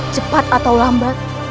cepat atau lambat